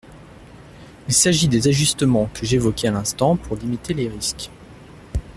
Il s’agit des ajustements que j’évoquais à l’instant pour limiter les risques.